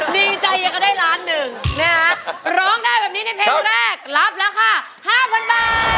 ดีใจอยากจะได้ล้านหนึ่งร้องได้แบบนี้ในเพลงแรกรับราคา๕๐๐๐บาท